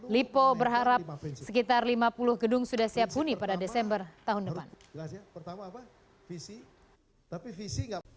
lipo berharap sekitar lima puluh gedung sudah siap huni pada desember tahun depan